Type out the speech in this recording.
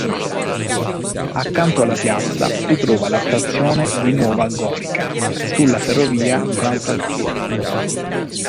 Accanto alla piazza si trova la stazione di Nova Gorica sulla ferrovia Transalpina.